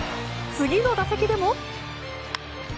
次の打席でも。